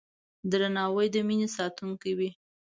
درناوی د مینې ساتونکی دی.